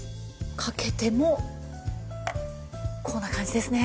かけてもこんな感じですね。